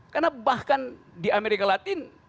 karena bahkan di amerika latin